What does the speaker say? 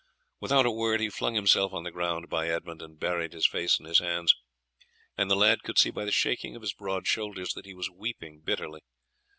Without a word he flung himself on the ground by Edmund and buried his face in his arms, and the lad could see by the shaking of his broad shoulders that he was weeping bitterly.